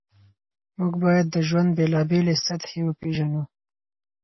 موږ باید د ژوند بېلابېلې سطحې وپېژنو.